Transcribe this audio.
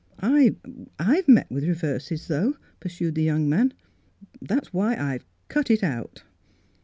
" I've — er — met with reverses, though," pursued the young man, '* that's why I've cut it out."